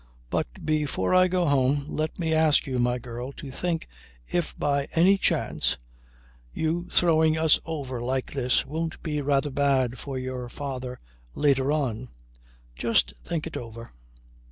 But before I go home let me ask you, my girl, to think if by any chance you throwing us over like this won't be rather bad for your father later on? Just think it over."